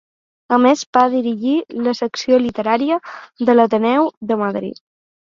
A més va dirigir la secció literària de l'Ateneu de Madrid.